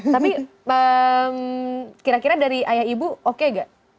tapi kira kira dari ayah ibu oke gak